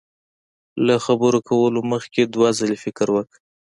له خبرو کولو مخ کي دوه ځلي فکر وکړه